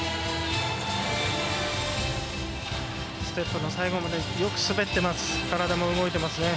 ステップの最後までよく滑ってます。